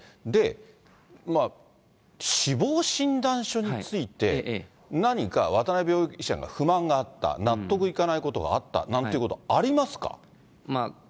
で、死亡診断書について、何か渡辺容疑者が不満があった、納得いかないことがあったなんてことありますか？